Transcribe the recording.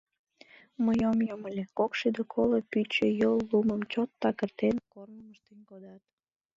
Мый ом йом ыле: кокшӱдӧ коло пӱчӧ йол лумым чот такыртен, корным ыштен кодат.